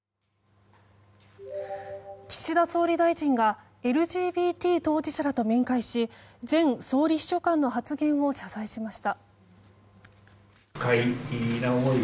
岸田総理大臣がＬＧＢＴ当事者らと面会し前総理秘書官の発言を謝罪しました。